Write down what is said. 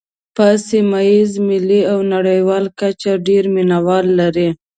په سیمه ییزه، ملي او نړیواله کچه ډېر مینوال لري.